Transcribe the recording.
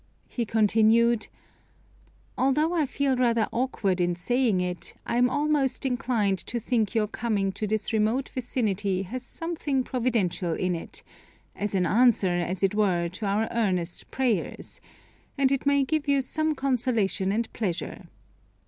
He continued: "Although I feel rather awkward in saying it, I am almost inclined to think your coming to this remote vicinity has something providential in it, as an answer, as it were, to our earnest prayers, and it may give you some consolation and pleasure.